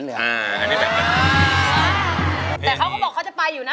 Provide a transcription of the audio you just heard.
แต่เขาก็บอกเขาจะไปอยู่นะ